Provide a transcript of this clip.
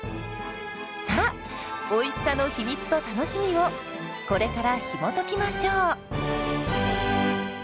さあおいしさの秘密と楽しみをこれからひもときましょう！